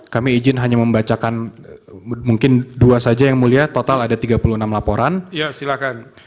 kami izin hanya membacakan mungkin dua saja yang mulia total ada tiga puluh enam laporan ya silahkan